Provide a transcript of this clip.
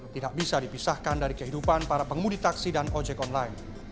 tidak bisa dipisahkan dari kehidupan para pengemudi taksi dan ojek online